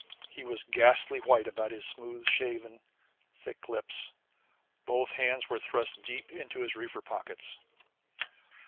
He was ghastly white about his smooth shaven, thick lips. Both hands were thrust deep into his reefer pockets.